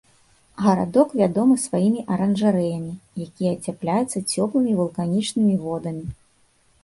Гарадок вядомы сваімі аранжарэямі, якія ацяпляюцца цёплымі вулканічнымі водамі.